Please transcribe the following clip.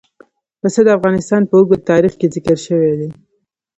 پسه د افغانستان په اوږده تاریخ کې ذکر شوی دی.